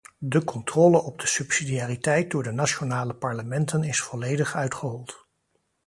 De controle op de subsidiariteit door de nationale parlementen is volledig uitgehold.